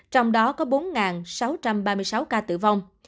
trong đó có bốn sáu trăm ba mươi sáu ca tử vong